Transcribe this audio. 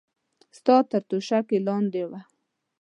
ستا تر توشکې لاندې وه.